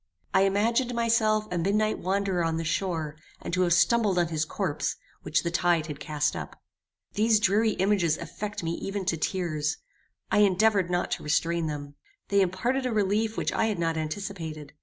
I imagined myself a midnight wanderer on the shore, and to have stumbled on his corpse, which the tide had cast up. These dreary images affected me even to tears. I endeavoured not to restrain them. They imparted a relief which I had not anticipated.